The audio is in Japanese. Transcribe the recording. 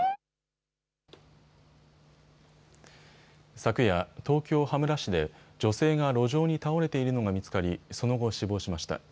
昨夜、東京羽村市で女性が路上に倒れているのが見つかりその後、死亡しました。